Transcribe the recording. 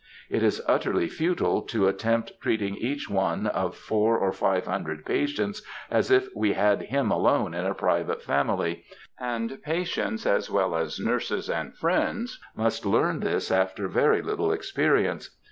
It is utterly futile to attempt treating each one of four or five hundred patients as if we had him alone in a private family; and patients, as well as nurses and friends, must learn this after very little experience.